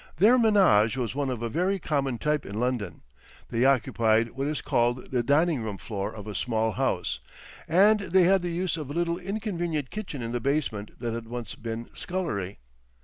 Their ménage was one of a very common type in London. They occupied what is called the dining room floor of a small house, and they had the use of a little inconvenient kitchen in the basement that had once been scullery.